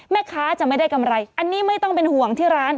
แม่ค้าจะไม่ได้กำไรอันนี้ไม่ต้องเป็นห่วงที่ร้าน